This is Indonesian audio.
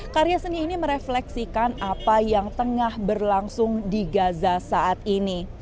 karya seni ini merefleksikan apa yang tengah berlangsung di gaza saat ini